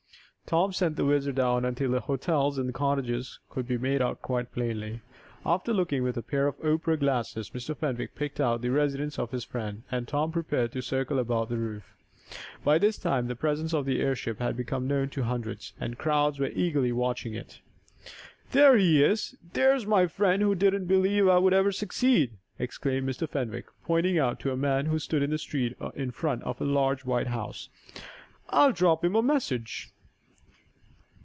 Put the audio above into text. Tom sent the WHIZZER down until the hotels and cottages could be made out quite plainly. After looking with a pair of opera glasses, Mr. Fenwick picked out the residence of his friend, and Tom prepared to circle about the roof. By this time the presence of the airship had become known to hundreds, and crowds were eagerly watching it. "There he is! There's my friend who didn't believe I would ever succeed!" exclaimed Mr. Fenwick, pointing to a man who stood in the street in front of a large, white house. "I'll drop him a message!"